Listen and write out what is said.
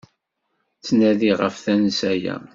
Ttnadiɣ ɣef tansa-ya!